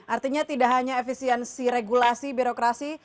artinya tidak hanya efisiensi regulasi birokrasi